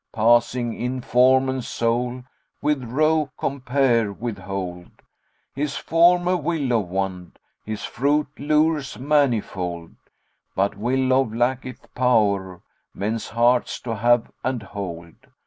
Passing in form and soul; * With roe compare withhold! His form a willow wand, * His fruit, lures manifold; But willow lacketh power * Men's hearts to have and hold.